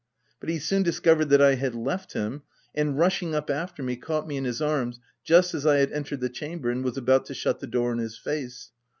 But he soon discovered that I had left him, and rush ing up after me, caught me in his arms, just as I had entered the chamber, and was about to shut the door in his face.